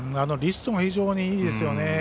リストが非常にいいですよね。